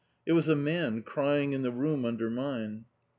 It was a man crying in the room under mine.